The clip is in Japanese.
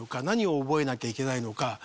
何を覚えなきゃいけないのか。